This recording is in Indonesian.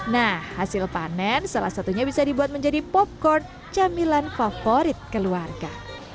nah hasil panen salah satunya bisa dibuat menjadi popcorn camilan favorit keluarga